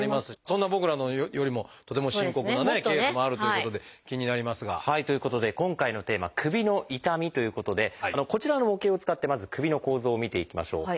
そんな僕らよりもとても深刻なケースもあるということで気になりますが。ということで今回のテーマ「首の痛み」ということでこちらの模型を使ってまず首の構造を見ていきましょう。